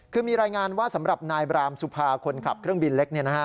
คือมีรายงานว่าสำหรับนายบรามสุภาคนขับเครื่องบินเล็ก